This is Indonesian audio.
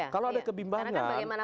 kalau ada kebimbangan